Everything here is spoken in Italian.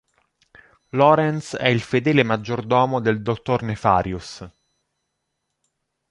Lawrence è il fedele maggiordomo del Dr. Nefarious.